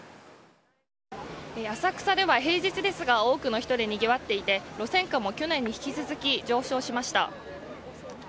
浅草では平日ですが、多くの人でにぎわっていて、路線価も去年に引き続き上昇しました。